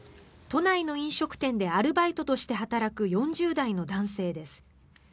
都内の飲食店でアルバイトとして働く４０代の男性です。